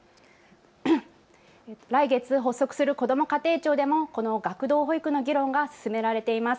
来月発足するこども家庭庁でもこの学童保育の議論が進められています。